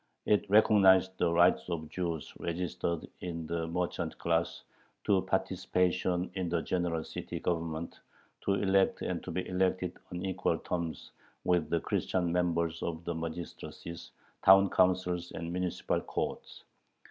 It recognized the rights of Jews registered in the merchant class to participation in the general city government, to elect and to be elected on equal terms with the Christian members of the magistracies, town councils, and municipal courts.